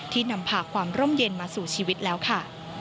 นำพาความร่มเย็นมาสู่ชีวิตแล้วค่ะ